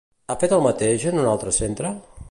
Ha fet el mateix en un altre centre?